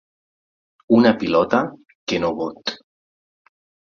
Una pilota que no bot.